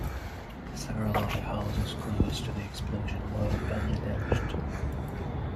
Several other houses close to the explosion were badly damaged.